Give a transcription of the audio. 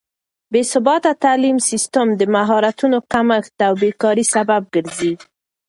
بې ثباته تعليم سيستم د مهارتونو کمښت او بې کارۍ سبب ګرځي.